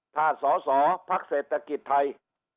ถ้าสอสอพักเศรษฐกิจไทย